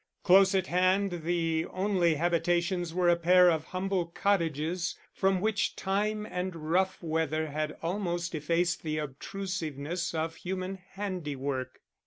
Close at hand the only habitations were a pair of humble cottages, from which time and rough weather had almost effaced the obtrusiveness of human handiwork.